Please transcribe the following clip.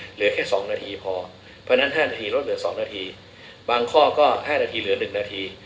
เหลือแค่๒นาทีพอเพราะฉะนั้น๕นาทีลดเหลือ๒นาทีบางข้อก็๕นาทีเหลือ๑นาที